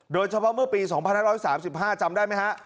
โดยเฉพาะเมื่อปีสองพันต้านร้อยสามสิบห้าจำได้ไหมฮะ